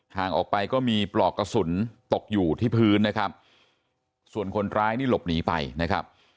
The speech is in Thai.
ห่างออกไปก็มีปลอกกระสุนตกอยู่ที่พื้นนะครับส่วนคนร้ายนี่หลบหนีไปนะครับ